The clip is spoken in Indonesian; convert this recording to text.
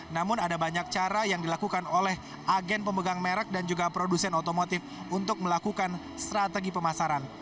namun ada banyak cara yang dilakukan oleh agen pemegang merek dan juga produsen otomotif untuk melakukan strategi pemasaran